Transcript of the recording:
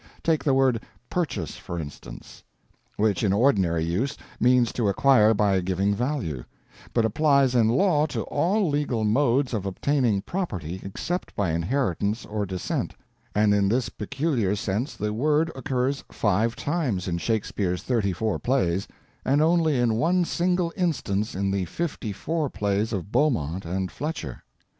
Take the word 'purchase' for instance, which, in ordinary use, means to acquire by giving value, but applies in law to all legal modes of obtaining property except by inheritance or descent, and in this peculiar sense the word occurs five times in Shakespeare's thirty four plays, and only in one single instance in the fifty four plays of Beaumont and Fletcher.